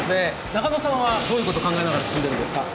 中野さんはどういうことを考えながら包んでるんですか？